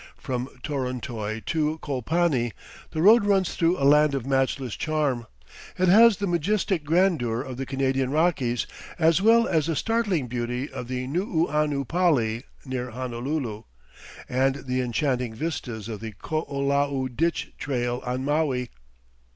From Torontoy to Colpani the road runs through a land of matchless charm. It has the majestic grandeur of the Canadian Rockies, as well as the startling beauty of the Nuuanu Pali near Honolulu, and the enchanting vistas of the Koolau Ditch Trail on Maul.